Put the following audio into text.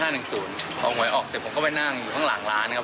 พอหวยออกเสร็จผมก็ไปนั่งอยู่ข้างหลังร้านครับ